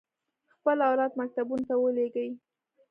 خپل اولاد مکتبونو ته ولېږي.